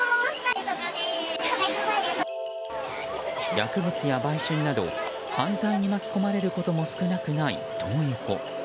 薬物や売春など犯罪に巻き込まれることも少なくない、トー横。